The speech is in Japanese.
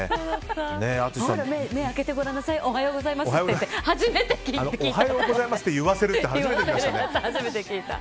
目開けてごらんなさいおはようございますって初めて聞いた。